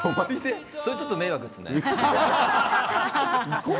それはちょっと迷惑ですね。